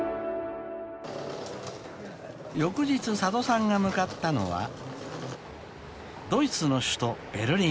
［翌日佐渡さんが向かったのはドイツの首都ベルリン］